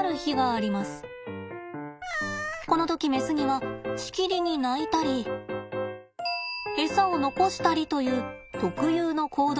この時メスにはしきりに鳴いたりエサを残したりという特有の行動が見られます。